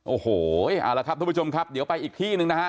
โอ้โหเอาละครับทุกผู้ชมครับเดี๋ยวไปอีกที่หนึ่งนะฮะ